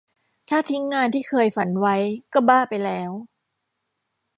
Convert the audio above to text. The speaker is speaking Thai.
ถ้าทิ้งงานที่เคยฝันไว้ก็บ้าไปแล้ว